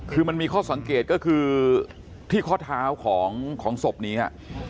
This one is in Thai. คือมันมีข้อสังเกตก็คือที่ข้อเท้าของศพนี้